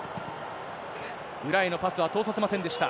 裏へのパスは通させませんでした。